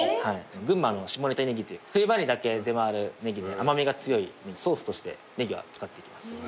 群馬の下仁田ネギっていう冬場にだけ出回るネギで甘みが強いソースとしてネギは使っていきます